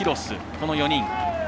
この４人。